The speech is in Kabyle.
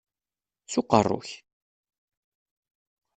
S uqeṛṛu-k!